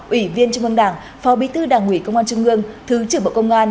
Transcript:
ủy viên trung ương đảng phó bí thư đảng ủy công an trung ương thứ trưởng bộ công an